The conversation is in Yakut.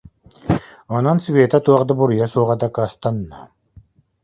Онон Света туох да буруйа суоҕа дакаастанна